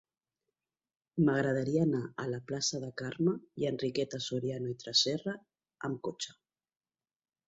M'agradaria anar a la plaça de Carme i Enriqueta Soriano i Tresserra amb cotxe.